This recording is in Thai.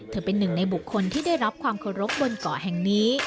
เป็นหนึ่งในบุคคลที่ได้รับความเคารพบนเกาะแห่งนี้